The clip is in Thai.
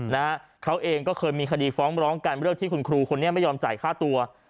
นะฮะเขาเองก็เคยมีคดีฟ้องร้องกันเรื่องที่คุณครูคนนี้ไม่ยอมจ่ายค่าตัว